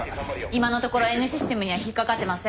今のところＮシステムには引っかかってません。